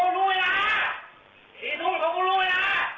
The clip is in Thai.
ก้องดูมั้ยนะที่ทุ่มท้องดูมั้ยนะ